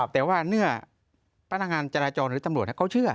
แต่ว่าเมื่อพนักงานจราจรหรือตำรวจเขาเชื่อ